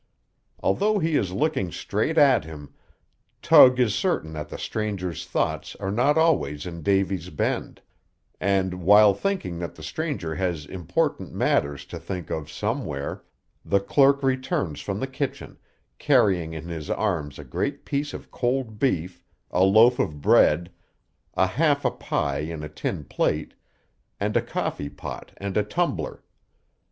Although he is looking straight at him, Tug is certain that the stranger's thoughts are not always in Davy's Bend; and, while thinking that the stranger has important matters to think of somewhere, the clerk returns from the kitchen, carrying in his arms a great piece of cold beef, a loaf of bread, a half a pie in a tin plate, and a coffee pot and a tumbler.